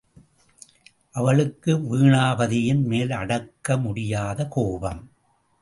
அவளுக்கு வீணாபதியின் மேல் அடக்க முடியாத கோபம்.